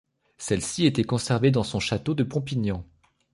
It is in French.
Celle-ci était conservée dans son château de Pompignan.